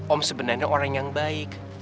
om sebenarnya orang yang baik